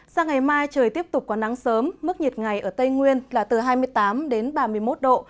sang ngày mai trời tiếp tục có nắng sớm mức nhiệt ngày ở tây nguyên là từ hai mươi tám đến ba mươi một độ